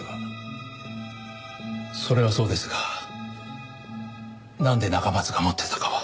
それはそうですがなんで中松が持ってたかは。